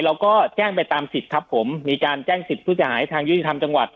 เราก็แจ้งไปตามสิทธิ์ครับผมมีการแจ้งสิทธิ์ผู้เสียหายทางยุติธรรมจังหวัด